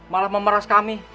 malah memeras kami